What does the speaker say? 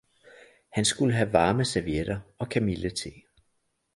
han skulle have varme servietter og kamillete.